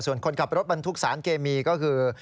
ส่วนคนขับรถบรรทุกสารเคมีก็คือ